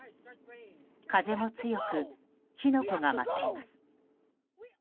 風も強く火の粉が舞っています。